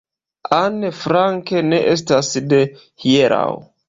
Anne Frank ne estas de hieraŭ.